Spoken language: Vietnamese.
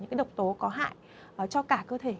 những độc tố có hại cho cả cơ thể